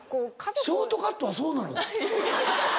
ショートカットはそうなのか？